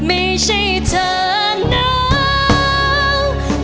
ขอเริ่มต่อใหม่ไม่ใช่ทางนั้น